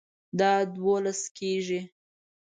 دا دوولس کیږي